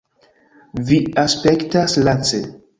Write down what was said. Vi aspektas lace.